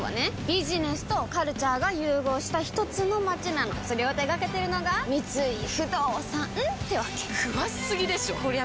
ビジネスとカルチャーが融合したひとつの街なのそれを手掛けてるのが三井不動産ってわけ詳しすぎでしょこりゃ